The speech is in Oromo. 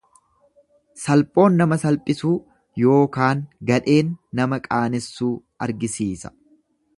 Salphoon nama salphisuu yookaan gadheen nama qaanessuu argisiisa.